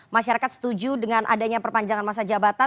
masyarakat setuju dengan adanya perpanjangan masa jabatan